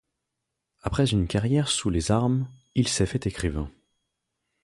Après une carrière sous les armes, il s'est fait écrivain.